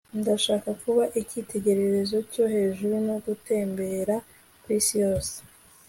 ndashaka kuba icyitegererezo cyo hejuru no gutembera kwisi yose